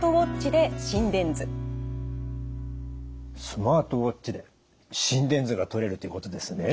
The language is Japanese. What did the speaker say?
スマートウォッチで心電図がとれるということですね。